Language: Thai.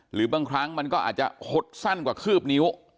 หรือบางครั้งมันก็อาจจะหดสั้นกว่าคืบนิ้ว